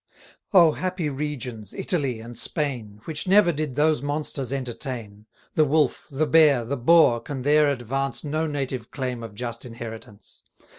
O happy regions, Italy and Spain, Which never did those monsters entertain! The Wolf, the Bear, the Boar, can there advance No native claim of just inheritance.